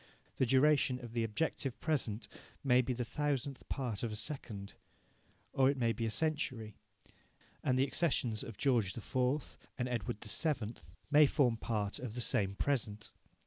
The duration of the objective present may be the thousandth part of a second. Or it may be a century, and the accessions of George IV. and Edward VII. may form part of the same present.